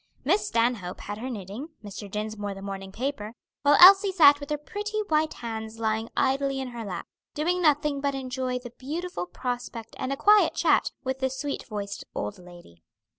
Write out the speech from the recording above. Miss Stanhope had her knitting, Mr. Dinsmore the morning paper, while Elsie sat with her pretty white hands lying idly in her lap, doing nothing but enjoy the beautiful prospect and a quiet chat with the sweet voiced old lady.